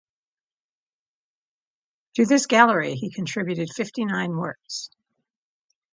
To this gallery he contributed fifty-nine works.